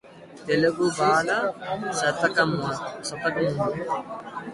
తెలుగుబాల శతకమును